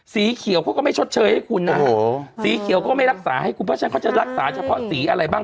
สีเขียวเขาก็ไม่ชดเชยให้คุณนะสีเขียวก็ไม่รักษาให้คุณเพราะฉะนั้นเขาจะรักษาเฉพาะสีอะไรบ้าง